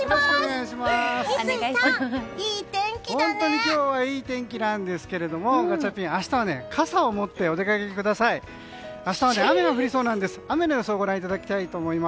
本当に今日はいい天気なんですけれどもガチャピン、明日は傘を持ってお出かけください。